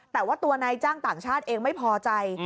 แต่ว่าตัวนายจ้างต่างชาติเองไม่พอใจ